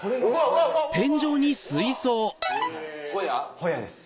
ホヤです。